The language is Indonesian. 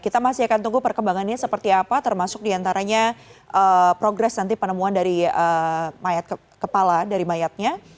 kita masih akan tunggu perkembangannya seperti apa termasuk diantaranya progres nanti penemuan dari mayat kepala dari mayatnya